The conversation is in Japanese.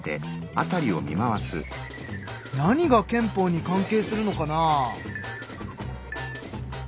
何が憲法に関係するのかな？